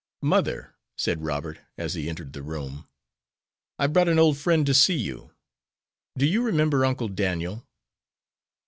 "Mother," said Robert, as he entered the room, "I've brought an old friend to see you. Do you remember Uncle Daniel?"